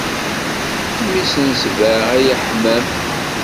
Mmi-s n sbeɛ ay aḥmam.